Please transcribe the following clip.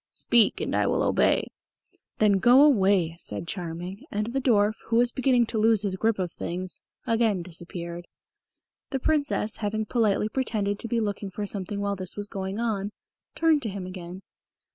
"Speak, and I will obey." "Then go away," said Charming; and the dwarf, who was beginning to lose his grip of things, again disappeared. The Princess, having politely pretended to be looking for something while this was going on, turned to him again.